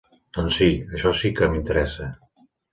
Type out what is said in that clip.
Doncs sí, això sí que m'interessa.